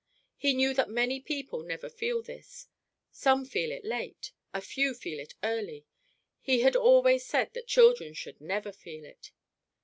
He knew that many people never feel this; some feel it late; a few feel it early; he had always said that children should never feel it.